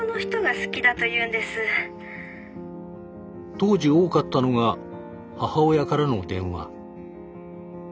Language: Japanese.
当時多かったのが母親からの電話。